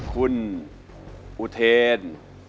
คุณอุเทน